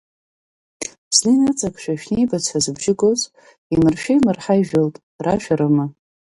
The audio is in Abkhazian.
Зны иныҵакшәа Шәнеибац ҳәа збжьы гоз имыршәа-имырҳа ижәылт, рашәа рыма.